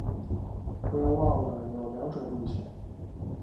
不要忘了有两种路线